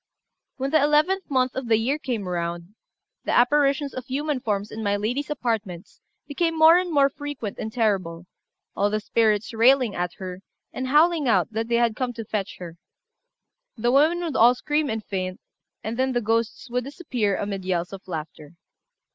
When the eleventh month of the year came round, the apparitions of human forms in my lady's apartments became more and more frequent and terrible, all the spirits railing at her, and howling out that they had come to fetch her. The women would all scream and faint; and then the ghosts would disappear amid yells of laughter.